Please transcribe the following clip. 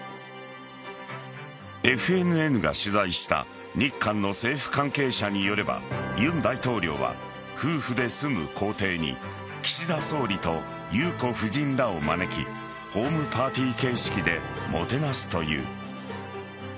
ＦＮＮが取材した日韓の政府関係者によれば尹大統領は夫婦で住む公邸に岸田総理と裕子夫人らを招きホームパーティー形式でもてなすという。